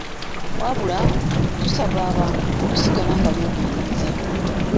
Wabula tusaba abantu okusigala nga beegendereza.